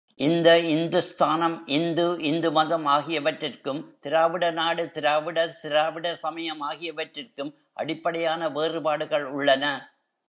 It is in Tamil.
இந்த இந்துஸ்தானம், இந்து, இந்துமதம் ஆகியவற்றிற்கும், திராவிடநாடு, திராவிடர், திராவிடர் சமயம் ஆகியவற்றுக்கும் அடிப்படையான வேறுபாடுகள் உள்ளன.